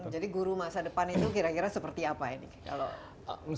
jadi guru masa depan itu kira kira seperti apa ini